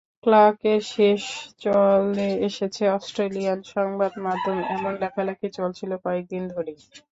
ক্লার্কের শেষ চলে এসেছে—অস্ট্রেলিয়ান সংবাদমাধ্যমে এমন লেখালেখি চলছিল কয়েক দিন ধরেই।